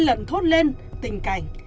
hai lần thốt lên tình cảnh